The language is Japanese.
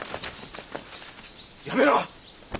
やめろ！